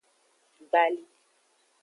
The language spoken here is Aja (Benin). Gbali.